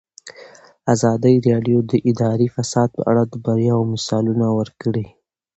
ازادي راډیو د اداري فساد په اړه د بریاوو مثالونه ورکړي.